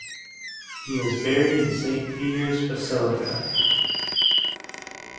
He was buried in Saint Peter's Basilica.